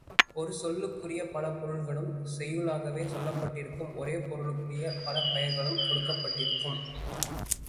ஒரு சொல்லுக்குரிய பல பொருள்களும் செய்யுளாகவே சொல்லப்பட்டிருக்கும் ஒரே பொருளுக்குரிய பல பெயர்களும் கொடுக்கப்பட்டிருக்கும்.